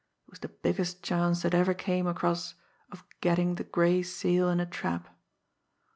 It was the biggest chance that ever came across of getting the Gray Seal in a trap.